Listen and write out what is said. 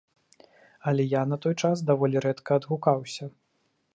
Але я на той час даволі рэдка адгукаўся.